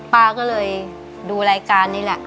ป้าก็เลยดูรายการนี่แหละ